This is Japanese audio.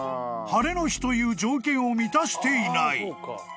［晴れの日という条件を満たしていない］